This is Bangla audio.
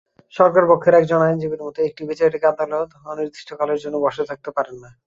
সরকারপক্ষের একজন আইনজীবীর মতে, একটি বিচারিক আদালত অনির্দিষ্টকালের জন্য বসে থাকতে পারেন না।